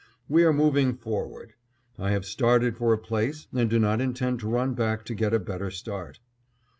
We are moving forward. I have started for a place, and do not intend to run back to get a better start.